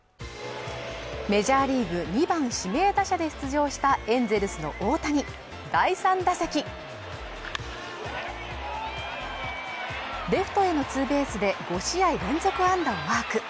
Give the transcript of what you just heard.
メジャーリーグ２番指名打者で出場したエンゼルスの大谷、第３打席レフトへのツーベースで５試合連続安打をマーク